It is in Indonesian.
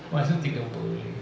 maksudnya tidak boleh